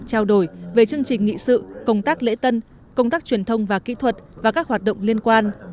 trao đổi về chương trình nghị sự công tác lễ tân công tác truyền thông và kỹ thuật và các hoạt động liên quan